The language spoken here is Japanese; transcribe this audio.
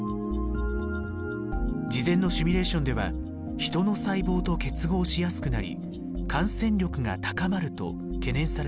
事前のシミュレーションではヒトの細胞と結合しやすくなり感染力が高まると懸念されていた変異です。